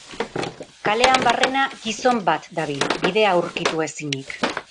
Kalean barrena gizon bat dabil, bidea aurkitu ezinik.